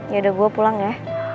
yaudah gue pulang ya